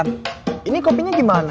dedi filsafah di ternyata seperti anda